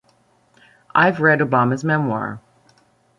I've read Obama's memoir.